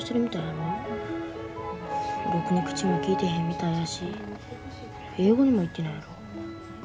ろくに口も利いてへんみたいやし英語にも行ってないやろ？